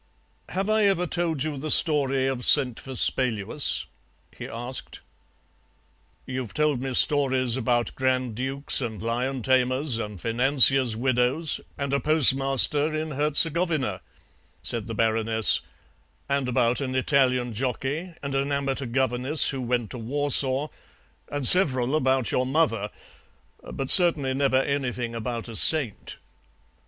"Have I ever told you the story of Saint Vespaluus?" he asked. "You've told me stories about grand dukes and lion tamers and financiers' widows and a postmaster in Herzegovina," said the Baroness, "and about an Italian jockey and an amateur governess who went to Warsaw, and several about your mother, but certainly never anything about a saint."